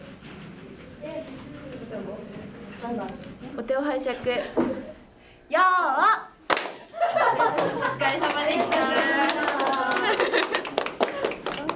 お疲れさまでした！